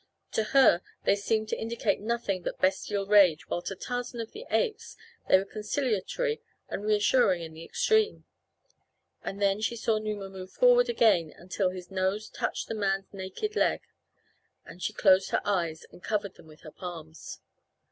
To her they seemed to indicate nothing but bestial rage while to Tarzan of the Apes they were conciliatory and reassuring in the extreme. And then she saw Numa move forward again until his nose touched the man's naked leg and she closed her eyes and covered them with her palms.